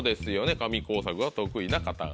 紙工作が得意な方が。